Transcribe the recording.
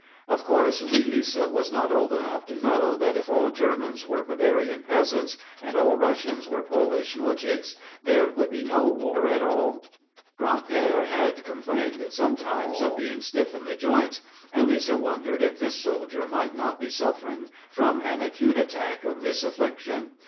Of course wee Lisa was not old enough to know that if all Germans were Bavarian peasants, and all Russians were Polish moujiks, there would be no war at all. Gran'père had complained sometimes of being stiff in the joints, and Lisa wondered if this soldier might not be suffering from an acute attack of this affliction.